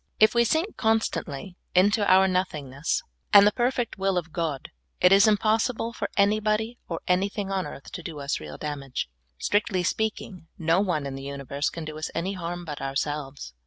If we sink constantly into our nothingness and the 128 SOUI. FOOD. perfect will of God, it is impossible for anybody or any thing on earth to do us a real damage. Strictly speak ing, no one in the universe can do us any harm but ourselves.